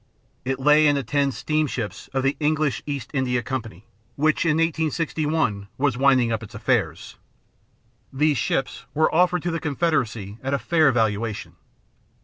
It lay in the ten steamships of the English East India Company, which in 1861 was winding up its affairs. These ships were offered to the Confederacy at a fair valuation.